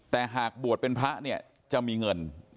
แต่หากบวชเป็นพระเนี่ยจะมีเงิน